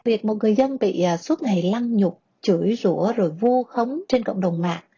việc một người dân bị suốt ngày lăn nhục chửi rũa rồi vù khống trên cộng đồng mạng